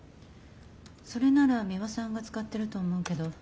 それならミワさんが使ってると思うけど。